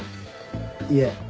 いえ。